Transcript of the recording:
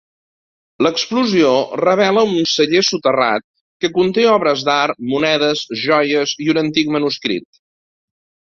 L'explosió revela un celler soterrat que conté obres d'art, monedes, joies i un antic manuscrit.